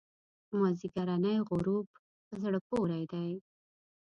مازیګرنی غروب په زړه پورې دی.